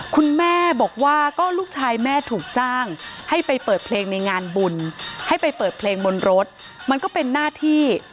คุณแม่บอกว่าก็ลูกชายแม่ถูกจ้างให้ไปเปิดเพลงในงานบุญให้ไปเปิดเพลงบนรถมันก็เป็นหน้าที่